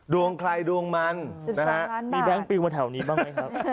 ดวงใครดวงมันนะฮะมีแบงค์ปิวมาแถวนี้บ้างไหมครับ